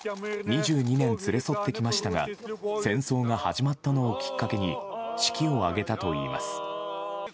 ２２年連れ添ってきましたが戦争が始まったのをきっかけに式を挙げたといいます。